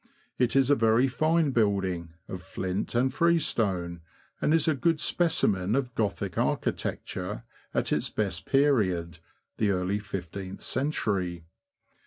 It is a very fine building, of flint and freestone, and is a good specimen of Gothic architecture at its best period (the early fifteenth century).